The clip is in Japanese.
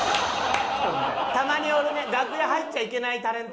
たまにおるね楽屋入っちゃいけないタレント。